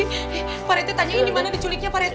eh pak rt tanyain dimana diculiknya pak rt